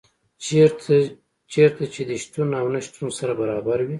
چېرته چي دي شتون او نه شتون سره برابر وي